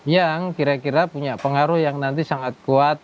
yang kira kira punya pengaruh yang nanti sangat kuat